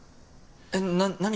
えっ何？